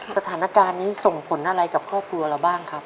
สถานการณ์นี้ส่งผลอะไรกับครอบครัวเราบ้างครับ